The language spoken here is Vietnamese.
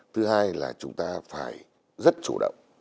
thứ hai là chúng ta phải rất chủ động